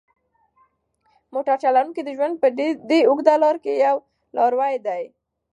موټر چلونکی د ژوند په دې اوږده لاره کې یو لاروی دی.